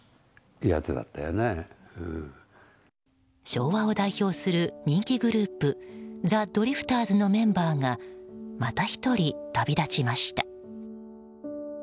昭和を代表する人気グループザ・ドリフターズのメンバーがまた１人、旅立ちました。